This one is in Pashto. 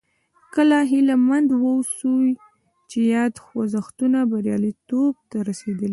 کله هیله مند واوسو چې یاد خوځښتونه بریالیتوب ته رسېدلي.